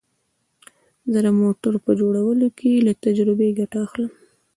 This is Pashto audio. زه د موټرو په جوړولو کې له تجربې ګټه اخلم